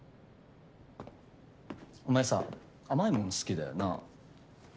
お前さ甘いもん好きだよな。